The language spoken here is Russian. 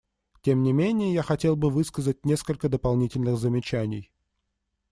Тем не менее я хотел бы высказать несколько дополнительных замечаний.